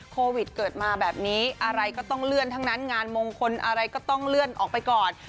โควิดเกิดมาแบบนี้อะไรก็ต้องเลื่อนทั้งนั้นงานมงคลอะไรก็ต้องเลื่อนออกไปก่อน